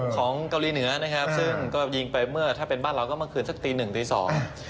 ของเกาหลีเหนือนะครับซึ่งก็ยิงไปเมื่อถ้าเป็นบ้านเราก็เมื่อคืนสักตีหนึ่งตีสอง